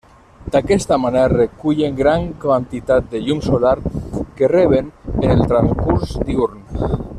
D'aquesta manera recullen gran quantitat de llum solar que reben en el transcurs diürn.